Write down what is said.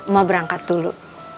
mau berangkat dulu